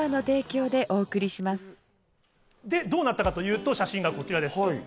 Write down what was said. どうなったかというと、写真がこちらです。